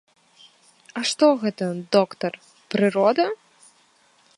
А што гэта, доктар, прырода?